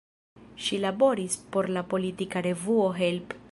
Ŝi laboris por la politika revuo "Help!